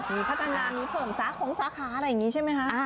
มีพัฒนามีเพิ่มสาขงสาขาอะไรอย่างนี้ใช่ไหมคะ